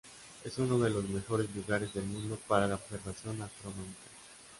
Es uno de los mejores lugares del mundo para la observación astronómica.